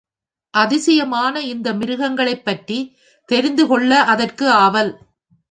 அதிசயமான இந்த மிருகங்களைப் பற்றித் தெரிந்துகொள்ள அதற்கு ஆவல்.